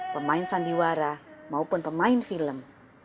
pemain sandiwara maupun pemain film